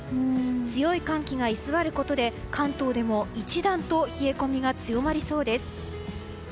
強い寒気が居座ることで関東でも一段と冷え込みが強まりそうです。